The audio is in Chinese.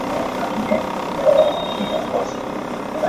该委员会随之瓦解。